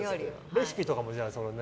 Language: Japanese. レシピとかもじゃあね。